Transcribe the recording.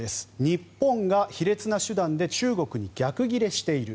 日本が卑劣な手段で中国に逆ギレしている。